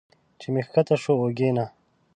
چې مې ښکته شو اوږې نه